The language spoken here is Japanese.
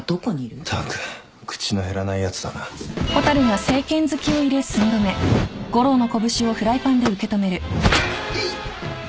ったく口の減らないやつだな。いって。